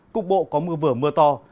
cục bộ có mưa vừa mưa to